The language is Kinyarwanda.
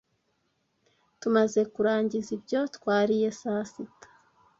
Tumaze kurangiza ibyo, twariye saa sita